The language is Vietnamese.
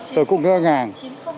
tôi cũng ngơ ngàng